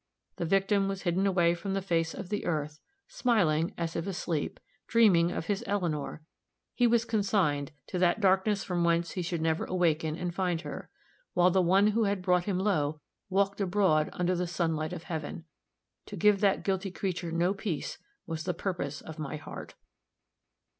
The victim was hidden away from the face of the earth smiling, as if asleep, dreaming of his Eleanor, he was consigned to that darkness from whence he should never awaken and find her while the one who had brought him low walked abroad under the sunlight of heaven. To give that guilty creature no peace was the purpose of my heart.